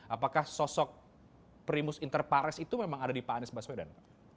apakah sosok primus interpares itu memang ada di pak anies baswedan